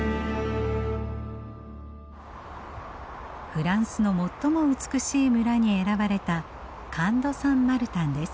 フランスの最も美しい村に選ばれたカンド・サン・マルタンです。